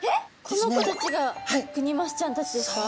この子たちがクニマスちゃんたちですか？